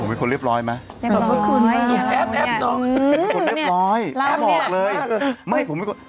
ตอนนี้ก็ผมเป็นคนเรียบร้อยไหมเรียบร้อยครับ